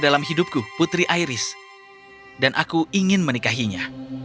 dalam hidupku putri iris dan aku ingin menikahinya